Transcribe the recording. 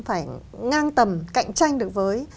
phải ngang tầm cạnh tranh được với